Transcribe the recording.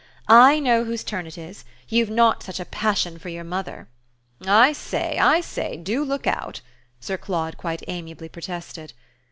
"I know whose turn it is. You've not such a passion for your mother!" "I say, I say: DO look out!" Sir Claude quite amiably protested.